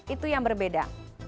itu yang berbeda